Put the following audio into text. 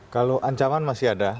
kalau ancaman masih ada